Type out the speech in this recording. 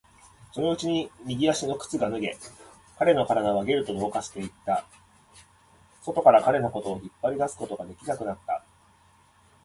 そのうちに右足の靴が脱げ、彼の体はゲルと同化していった。外から彼のことを引っ張り出すことができなくなった。